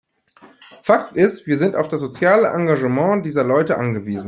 Fakt ist, wir sind auf das soziale Engagement dieser Leute angewiesen.